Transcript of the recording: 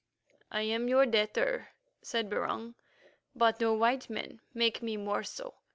"I am your debtor," said Barung, "but, O White Men, make me more so.